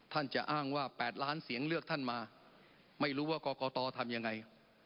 จะอ้างว่า๘ล้านเสียงเลือกท่านมาไม่รู้ว่ากรกตทำยังไง